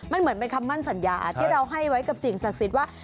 มันเหมือนเป็นคำมั่นสัญญาที่เราให้ไว้กับสิ่งศักดิ์สิทธิ์ว่า